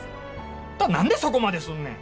あんた何でそこまですんねん。